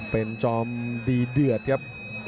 เป็นจอมดีเดือดครับ